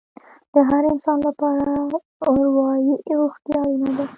د هر انسان لپاره اروايي روغتیا اړینه ده.